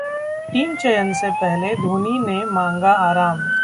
team चयन से पहले धोनी ने मांगा आराम